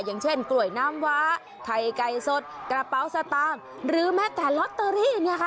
อย่างเช่นกล้วยน้ำว้าไข่ไก่สดกระเป๋าสตางค์หรือแม้แต่ลอตเตอรี่เนี่ยค่ะ